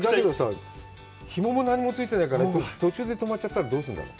ひもも何もついてないから、途中で止まっちゃったらどうするんだろう？